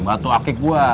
batu akik gue